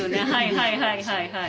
はいはいはいはい。